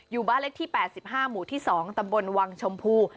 อยู่บ้านเล็กที่๘๕หมู่ที่๒ตำบลวังชมพู